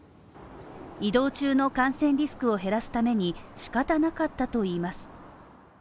移動中の感染リスクを減らすためにしかたなかったといいます。